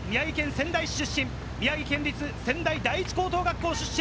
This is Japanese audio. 地元、宮城県仙台市出身、宮城県立仙台第一高等学校出身。